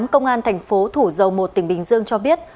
công an thành phố thủ dầu một tỉnh bình dương cho biết